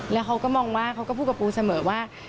แล้วเขาก็มองว่าเขาก็พูดกับปูเสมอว่า